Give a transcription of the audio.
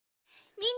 みんな。